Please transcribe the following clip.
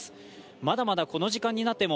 まだまだこの時間になっても